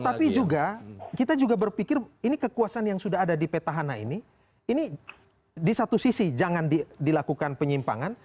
tetapi juga kita juga berpikir ini kekuasaan yang sudah ada di petahana ini ini di satu sisi jangan dilakukan penyimpangan